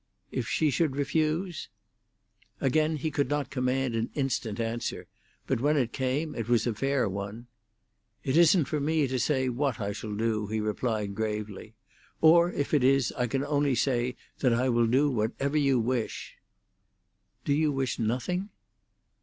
"If she should refuse?" Again he could not command an instant answer, but when it came it was a fair one. "It isn't for me to say what I shall do," he replied gravely. "Or, if it is, I can only say that I will do whatever you wish." "Do you wish nothing?"